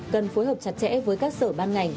cần phối hợp chặt chẽ với các sở ban ngành